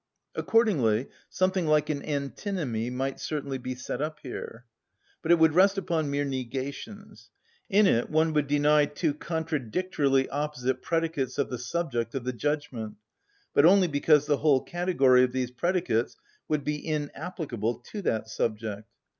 Accordingly something like an antinomy might certainly be set up here. But it would rest upon mere negations. In it one would deny two contradictorily opposite predicates of the subject of the judgment, but only because the whole category of these predicates would be inapplicable to that subject.